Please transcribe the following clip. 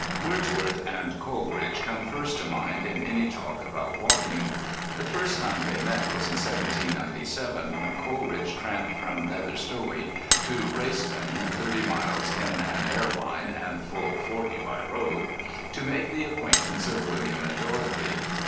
Wordsworth and Coleridge come first to mind in any talk about walking. The first time they met was in 1797 when Coleridge tramped from Nether Stowey to Racedown (thirty miles in an air line, and full forty by road) to make the acquaintance of William and Dorothy.